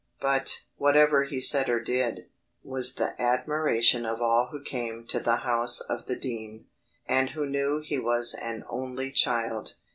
But, whatever he said or did, was the admiration of all who came to the house of the dean, and who knew he was an only child.